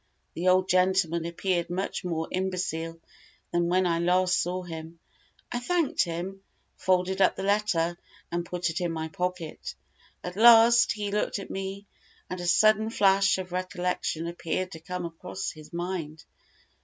The old gentleman appeared much more imbecile than when I last saw him. I thanked him, folded up the letter, and put it in my pocket. At last, he looked at me, and a sudden flash of recollection appeared to come across his mind.